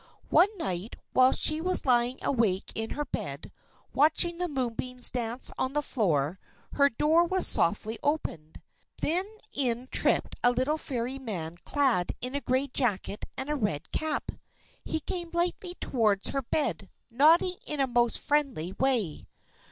One night, while she was lying awake in her bed, watching the moonbeams dance on the floor, her door was softly opened. Then in tripped a little Fairy man clad in a gray jacket and red cap. He came lightly toward her bed, nodding in a most friendly way.